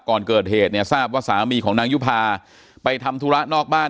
ก่อนเกิดเหตุเนี่ยทราบว่าสามีของนางยุภาไปทำธุระนอกบ้าน